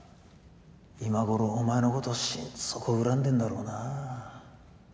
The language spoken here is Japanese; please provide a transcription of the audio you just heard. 今頃お前のこと心底恨んでんだろうな。